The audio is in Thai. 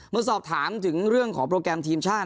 เมื่อสอบถามถึงเรื่องของโปรแกรมทีมชาติ